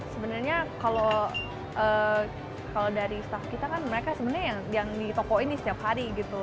sebenarnya kalau dari staff kita kan mereka sebenarnya yang di toko ini setiap hari gitu